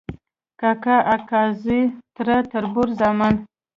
کاکا، اکا زوی ، تره، تربور، زامن ،